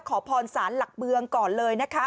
ขอพรศาลหลักเมืองก่อนเลยนะคะ